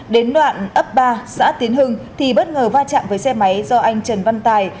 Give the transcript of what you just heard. đến đoạn ấp ba xã tiến hưng thì bất ngờ va chạm với xe máy do anh trần văn tài